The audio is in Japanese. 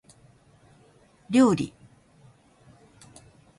料理